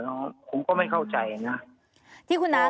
ผมก็ไม่เข้าใจนะ